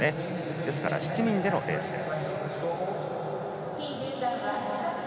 ですから７人でのレースです。